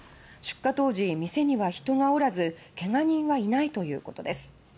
出火当時、店には人がおらずけが人はいないということです。